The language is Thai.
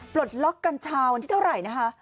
ปลดล็อกกัญชาวันที่เท่าไหร่นะคะ